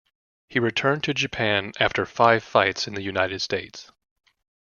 He returned to Japan after five fights in the United States.